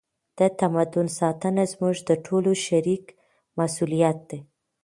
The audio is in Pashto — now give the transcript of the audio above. د تمدن ساتنه زموږ د ټولو شریک مسؤلیت دی.